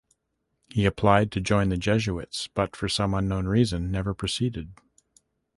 He applied to join the Jesuits, but for some unknown reason never proceeded.